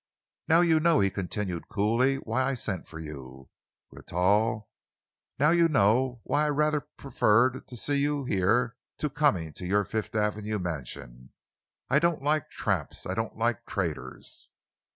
"Now you know," he continued coolly, "why I sent for you, Rentoul. Now you know why I rather preferred to see you here to coming to your Fifth Avenue mansion. I don't like traps I don't like traitors."